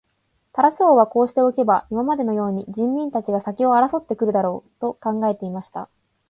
タラス王はこうしておけば、今までのように人民たちが先を争って来るだろう、と考えていました。